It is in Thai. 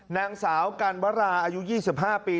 นางสาวกันวราอายุ๒๕ปี